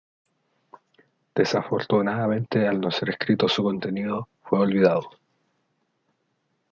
Desafortunadamente al no ser escrito su contenido fue olvidado.